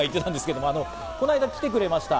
この間、来てくれました。